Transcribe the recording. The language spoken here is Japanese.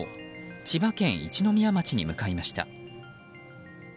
千葉県一宮町に向かいました。